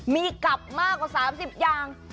มีกลับมากกว่า๓๐อย่าง